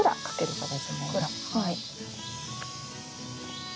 はい。